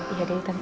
iya deh tante